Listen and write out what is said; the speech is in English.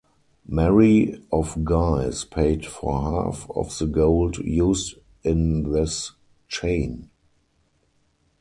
Mary of Guise paid for half of the gold used in this chain.